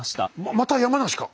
また山梨か！